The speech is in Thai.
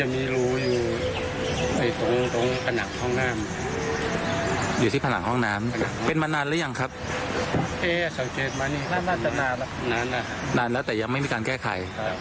มีแต่ธรรพาหล่ะเราใช้ไม่ดีอะไร